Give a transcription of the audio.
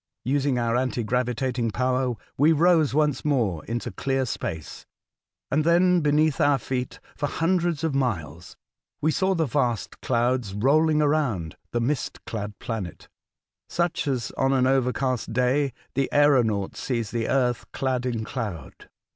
Using our anti gravitating power, we rose once more into clear space, and then, beneath our feet, for hundreds of miles, we saw the vast clouds rolling around the mist clad planet, much as, on an overcast day, the aeronaut sees the earth clad in cloud.